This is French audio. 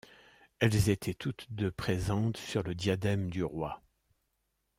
Elles étaient toutes deux présentes sur le diadème du roi.